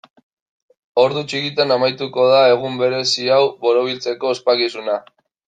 Ordu txikitan amaituko da egun berezi hau borobiltzeko ospakizuna.